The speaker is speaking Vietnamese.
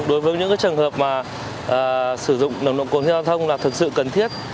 đối với những cái trường hợp mà sử dụng nồng độ cồn giao thông là thực sự cần thiết